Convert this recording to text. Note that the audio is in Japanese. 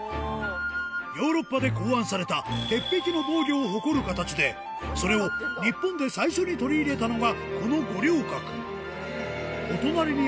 ヨーロッパで考案された鉄壁の防御を誇る形で、それを日本で最初に取り入れたのがこの五稜郭。